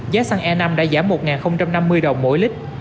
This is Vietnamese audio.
giá xăng e năm đã giảm một năm mươi đồng mỗi lít